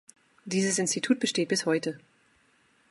Dieses Institut besteht bis heute.